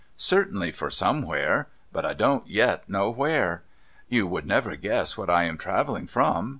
' Certainly for Somewhere ; but I don't yet know "Where. You would never guess what I am travelling from.